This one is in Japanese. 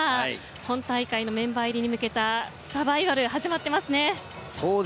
今大会のメンバー入りに向けたサバイバルが始まっていますね。